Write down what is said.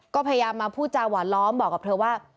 ก็พยายามมาพูดจาหวานล้อมบอกกับเธอว่า